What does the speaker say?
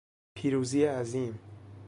پیروزی عظیم